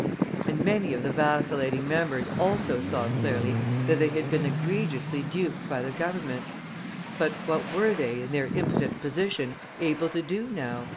And many of the vacillating members also saw clearly that they had been egregiously duped by the Governments. But what were they, in their impotent position, able to do now?